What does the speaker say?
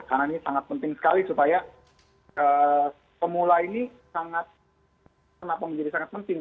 karena ini sangat penting sekali supaya pemula ini sangat penting